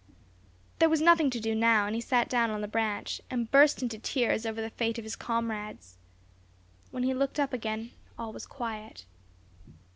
There was nothing to do now, and he sat down on the branch, and burst into tears over the fate of his comrades. When he looked up again all was quiet.